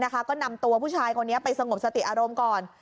ก็นำตัวผู้ชายคนนี้ไปสงบสติอารมณ์ก่อน